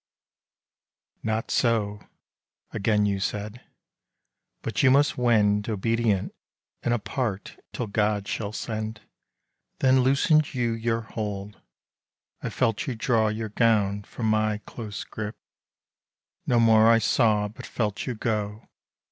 " Not so," again you said, " but you must wend Obedient and apart till God shall send." Then loosened you your hold, I felt you draw Your gown from my close grip; no more I saw But felt you go.